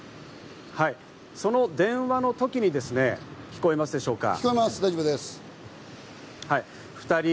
その電話のときに聞こえますでしょうか？